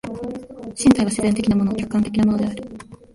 身体は自然的なもの、客観的なものである。